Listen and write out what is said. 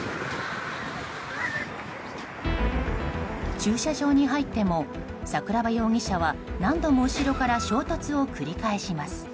駐車場に入っても桜庭容疑者は、何度も後ろから衝突を繰り返します。